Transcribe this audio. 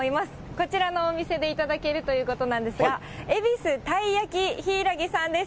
こちらのお店で頂けるということなんですが、恵比寿たいやきひいらぎさんです。